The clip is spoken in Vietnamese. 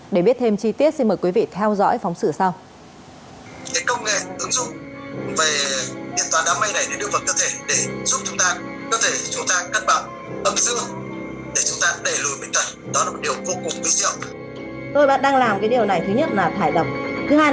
để biết thêm chi tiết xin mời quý vị theo dõi phóng sự sau